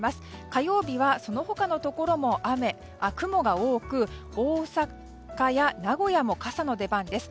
火曜日はその他のところも雨や雲が多く、大阪や名古屋も傘の出番です。